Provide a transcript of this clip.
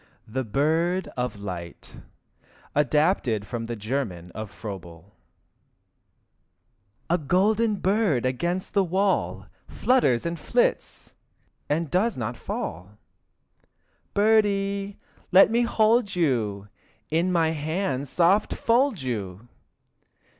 etc. THE BIRD OF LIGHT (Adapted from the German of Froebel) A golden bird against the wall Flutters and flits, and does not fall. Birdie, let me hold you, In my hands soft fold you!